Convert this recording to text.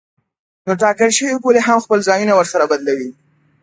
نو ټاکل شوې پولې هم خپل ځایونه ورسره بدلوي.